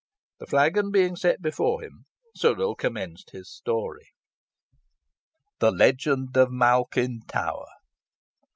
The flagon being set before him, Sudall commenced his story: The Legend of Malkin Tower.